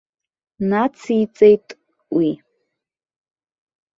Нациҵеит уи.